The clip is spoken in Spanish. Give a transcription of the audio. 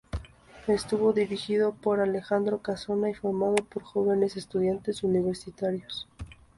Estuvo dirigido por Alejandro Casona y formado por jóvenes estudiantes universitarios.